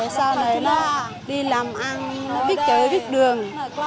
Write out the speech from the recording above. sau này nó đi làm ăn nó biết chữ biết đường